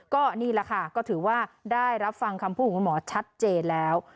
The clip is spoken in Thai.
ก็นี่แหละค่ะก็ถือว่าได้รับฟังคำพูดของคุณหมอชัดเจนแล้ว